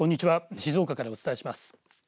静岡からお伝えします。